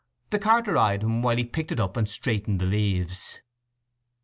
The carter eyed him while he picked it up and straightened the leaves.